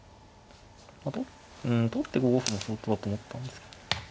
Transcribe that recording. うん取って５五歩も相当だと思ったんですけど。